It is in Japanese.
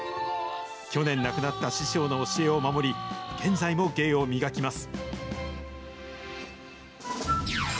去年亡くなった師匠の教えを守り、現在も芸を磨きます。